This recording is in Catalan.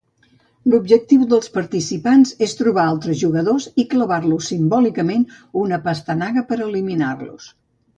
L'objectiu dels participants és trobar altres jugadors i clavar-los simbòlicament una pastanaga per eliminar-los.